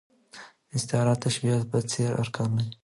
استعاره د تشبېه په څېر ارکان لري.